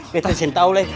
kita isin tau lagi